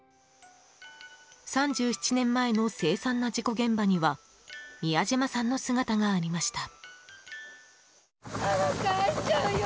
３７年前の凄惨な事故現場には美谷島さんの姿がありました。